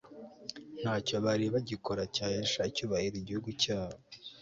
nta cyo bari bagikora cyahesha icyubahiro igihugu cyabo